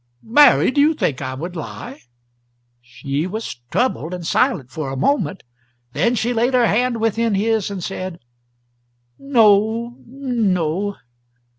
"Mary, do you think I would lie?" She was troubled and silent for a moment, then she laid her hand within his and said: "No ... no.